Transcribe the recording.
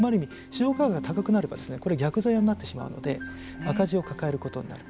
市場価格が高くなると逆ざやになってしまうので赤字を抱えることになる。